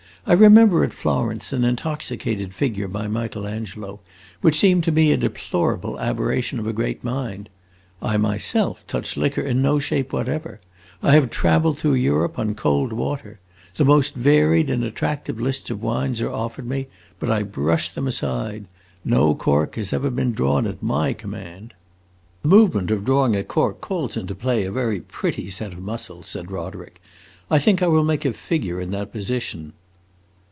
I remember at Florence an intoxicated figure by Michael Angelo which seemed to me a deplorable aberration of a great mind. I myself touch liquor in no shape whatever. I have traveled through Europe on cold water. The most varied and attractive lists of wines are offered me, but I brush them aside. No cork has ever been drawn at my command!" "The movement of drawing a cork calls into play a very pretty set of muscles," said Roderick. "I think I will make a figure in that position."